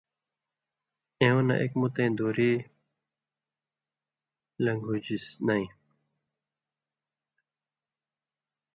ایوں نہ اک مُتَیں دُوری لںگھوژِس نَیں۔